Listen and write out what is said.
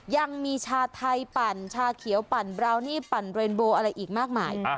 ยังมีชาไทยชาเขียวบราวนี่เรนโบอะไรอีกมากมาย